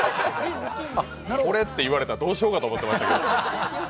これって言われたらどうしようかと思ってましたけど。